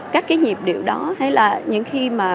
các cái nhịp điệu đó hay là những khi mà